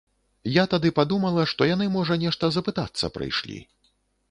Я тады падумала, што яны, можа, нешта запытацца прыйшлі.